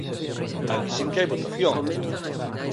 Avisen que hai votación.